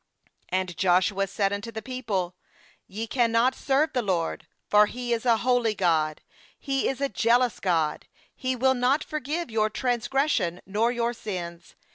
"And Joshua said unto the people: 'Ye cannot serve the LORD; for He is a holy God; He is a jealous God; He will not forgive your transgression nor your sins.